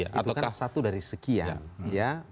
itu kan satu dari sekian ya